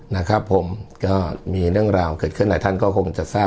นะครับผมก็มีเรื่องราวเกิดขึ้นหลายท่านก็คงจะทราบ